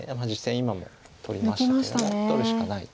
今も取りましたけれども取るしかないと。